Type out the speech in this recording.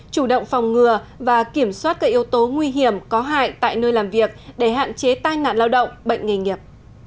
chủ động phòng ngừa và kiểm soát các yếu tố nguy hiểm có hại tại nơi làm việc để hạn chế tai nạn lao động bệnh nghề nghiệp